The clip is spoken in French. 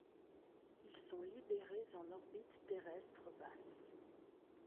Ils sont libérés en orbite terrestre basse.